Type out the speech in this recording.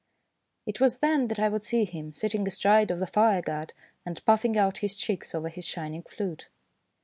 It was then that I would see him sitting astride of the fireguard and puffing out his cheeks over his shining flute.